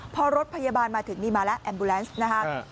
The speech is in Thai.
พอรถพยาบาลมาถึงนี่มาแล้วแอมบูแลนซ์นะคะ